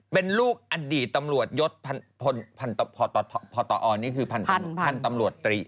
เป็นลูกอดีตตำรวจยศพพตอนี่คือพันธุ์ตำรวจตรี